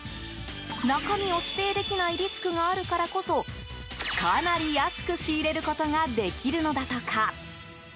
中身を指定できないリスクがあるからこそかなり安く仕入れることができるのだとか。